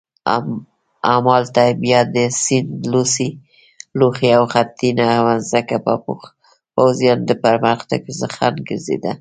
همالته بیا د سیند لوخې او خټینه مځکه د پوځیانو د پرمختګ خنډ ګرځېده.